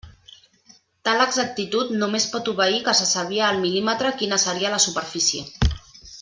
Tal exactitud només pot obeir que se sabia al mil·límetre quina seria la superfície.